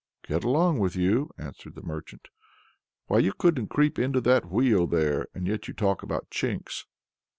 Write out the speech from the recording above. "Get along with you!" answered the merchant. "Why you couldn't creep into that wheel there, and yet you talk about chinks!"